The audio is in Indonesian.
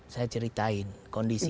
saya ceritain kondisinya